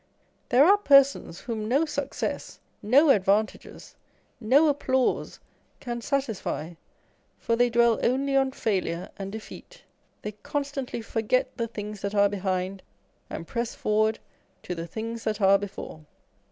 There are persons whom no success, no advantages, no applause can satisfy, for they dwell only on failure and defeat. They constantly "forget the things that are behind, and press forward to the things that are before."